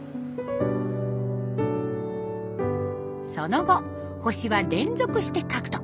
その後星は連続して獲得。